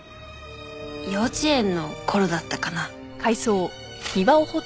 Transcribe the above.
幼稚園の頃だったかな。